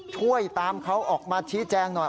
ช่วยตามเขาออกมาชี้แจงหน่อย